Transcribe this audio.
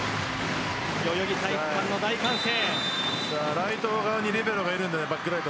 代々木体育館の大歓声。